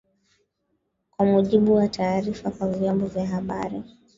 kwa mujibu wa taarifa kwa vyombo vya habari